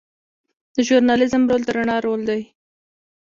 د ژورنالیزم رول د رڼا راوړل دي.